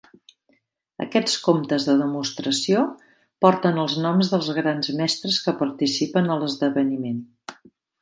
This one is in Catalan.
Aquests comptes de demostració porten els noms dels Grans Mestres que participen a l'esdeveniment.